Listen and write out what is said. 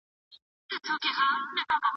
استاد شاګرد ته د موضوع محدودیتونه ور وښودل.